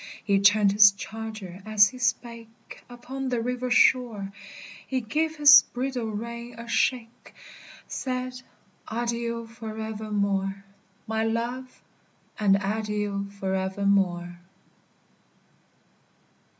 He turned his charger as he spake, Upon the river shore; He gave his bridle rein a shake, Said, "Adieu for evermore, My love! And adieu for evermore."